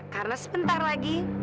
karena sebentar lagi